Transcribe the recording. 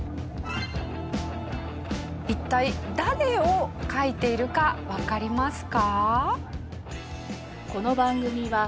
一体誰を描いているかわかりますか？